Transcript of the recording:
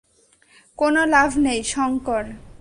কোন লাভ নেই, শঙ্কর।